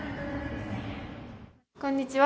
こんにちは。